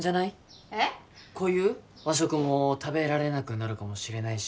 こういう和食も食べられなくなるかもしれないし